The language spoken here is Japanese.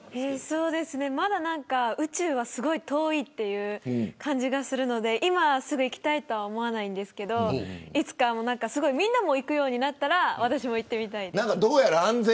まだ宇宙は遠いという感じがするので今すぐ行きたいとは思いませんけどいつか、みんなも行くようになったら私も行ってみたいです。